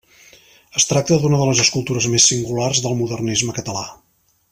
Es tracta d'una de les escultures més singulars del modernisme català.